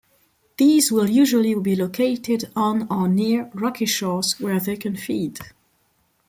These will usually be located on or near rocky shores where they can feed.